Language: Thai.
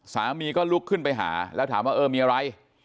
สามีก็ลุกขึ้นไปหาแล้วถามว่าเออมีอะไร